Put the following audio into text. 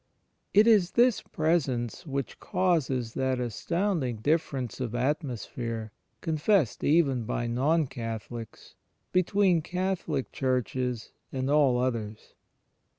It is this Presence which causes that astounding dif ference of atmosphere, confessed even by Non Catholics, between Catholic churches and all others.